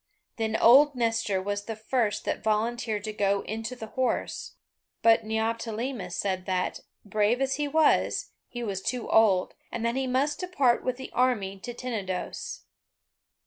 Then old Nestor was the first that volunteered to go into the horse; but Neoptolemus said that, brave as he was, he was too old, and that he must depart with the army to Tenedos.